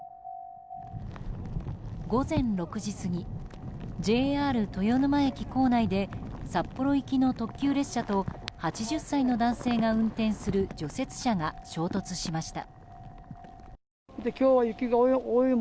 午前６時過ぎＪＲ豊沼駅構内で札幌行きの特急列車と８０歳の男性が運転する除雪車が衝突しました。